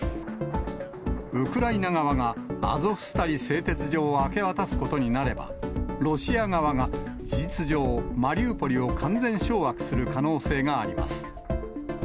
ウクライナ側がアゾフスタリ製鉄所を明け渡すことになれば、ロシア側が事実上、マリウポリを完全掌握する可能性があります。